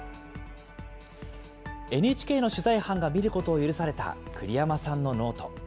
ＮＨＫの取材班が見ることを許された栗山さんのノート。